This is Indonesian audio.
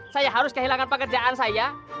saya harus kehilangan pekerjaan saya